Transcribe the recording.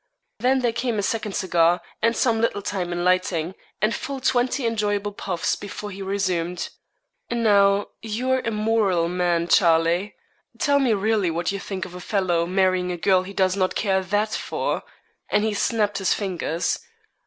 Then there came a second cigar, and some little time in lighting, and full twenty enjoyable puffs before he resumed. 'Now, you're a moral man, Charlie, tell me really what you think of a fellow marrying a girl he does not care that for,' and he snapt his fingers.